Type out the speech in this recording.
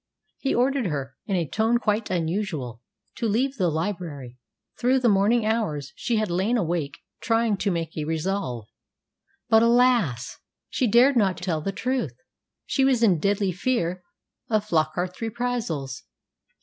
He ordered her, in a tone quite unusual, to leave the library. Through the morning hours she had lain awake trying to make a resolve. But, alas! she dared not tell the truth; she was in deadly fear of Flockart's reprisals.